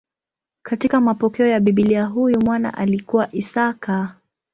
Katika mapokeo ya Biblia huyu mwana alikuwa Isaka.